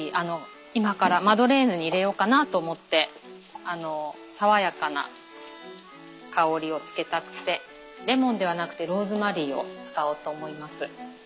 今からマドレーヌに入れようかなと思って爽やかな香りをつけたくてレモンではなくてローズマリーを使おうと思います。